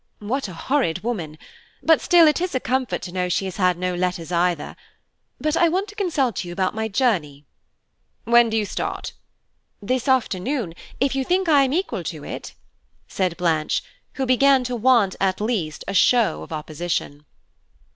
"What a horrid woman! but still it is a comfort to know she has had no letters either. But I want to consult you about my journey." "When do you start?" "This afternoon, if you think I am equal to it," said Blanche, who began to want, at least, a show of opposition.